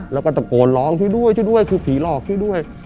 แล้วก็ตะโกนร้องช่วยด้วยช่วยด้วยคือผีหลอกช่วยด้วย